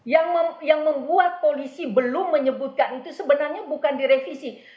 jadi yang membuat polisi belum menyebutkan itu sebenarnya bukan direvisi